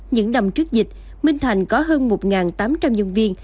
những năm trước dịch minh thành có hơn một tám trăm linh nhân viên